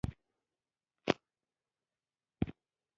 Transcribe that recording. د کرکټ لوبغاړي ښه عاید لري